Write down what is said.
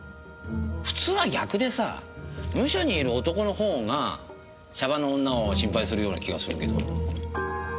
普通は逆でさムショにいる男のほうがシャバの女を心配するような気がするけど。